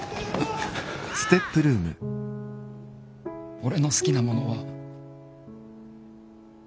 俺の好きなものは。